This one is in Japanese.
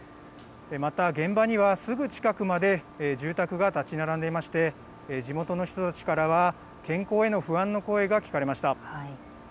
また、現場にはすぐ近くまで住宅が立ち並んでいまして地元の人たちからは健康への不安の声が聞かれました。